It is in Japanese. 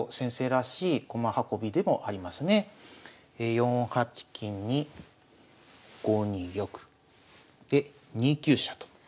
４八金に５二玉で２九飛車と。